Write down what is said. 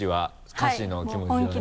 歌詞の気持ちはね。